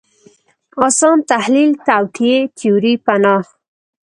اسان تحلیل توطیې تیوري پناه